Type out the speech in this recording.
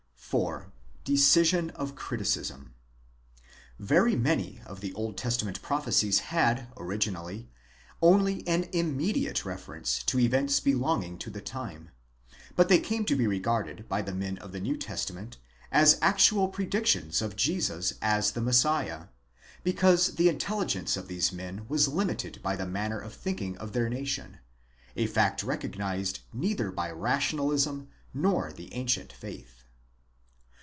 es 4. Decision of criticism : Very many of the Old Testament prophecies had, originally, only an immediate reference to events belonging to the time : but they came to be regarded by the men of the New Testament as actual 7 Sée Bleek in den theol. Studien u. Kritiken, 1835, 2, 5. 441 ff. I 130 PART I. CHAPTER ΠΙ. § 26. predictions of Jesus as the Messiah, because the intelligence of these men was limited by the manner of thinking of their nation, a fact recognized neither by Rationalism nor the ancient faith.